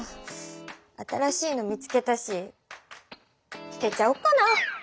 新しいの見つけたし捨てちゃおっかな？